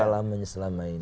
pengalaman selama ini